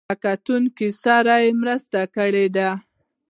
له کتونکو سره مرسته کړې ده.